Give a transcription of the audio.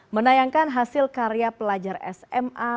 menayangkan hasil karya pelajar sma